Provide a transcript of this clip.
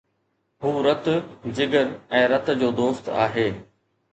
هو رت، جگر ۽ رت جو دوست هو